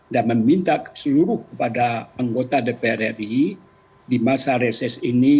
dan meminta seluruh pada anggota dpr ri di masa reses ini